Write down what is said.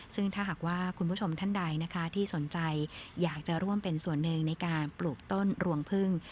ซึ่งถ้าหากว่าคุณผู้ชมท่านใดนะคะที่สนใจอยากจะร่วมเป็นส่วนหนึ่งในการปลูกต้นรวงพึ่ง